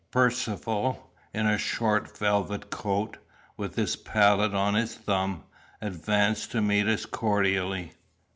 Percivale, in a short velvet coat, with his palette on his thumb, advanced to meet us cordially.